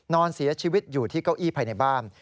นอนเสียชีวิตอยู่ที่เก้าอี้ภายในบ้าน